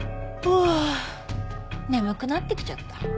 眠くなってきちゃった。